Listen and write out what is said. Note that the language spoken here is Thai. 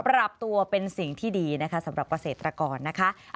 ปรับตัวเป็นสิ่งที่ดีนะคะสำหรับเกษตรกรนะคะ